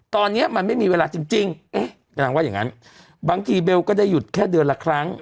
ตอนเนี้ยมันไม่มีเวลาจริงจริงเอ๊ะบางทีเบลก็ได้หยุดแค่เดือนละครั้ง